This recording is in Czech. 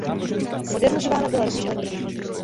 Modernizována byla rovněž elektronika.